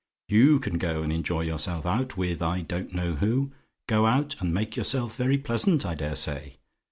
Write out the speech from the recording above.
you can go and enjoy yourself out, with I don't know who: go out, and make yourself very pleasant, I dare say.